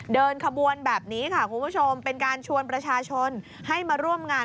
เดินขบวนแบบนี้ค่ะคุณผู้ชมเป็นการชวนประชาชนให้มาร่วมงาน